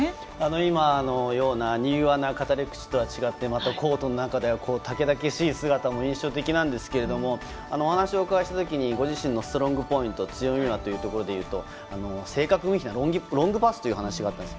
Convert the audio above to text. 今のような柔和な語り口と違ってコートの中では猛々しい姿も印象的なんですけどお話をお伺いしたときご自身の強みはというところを聞くと正確無比なロングパスという話があったんです。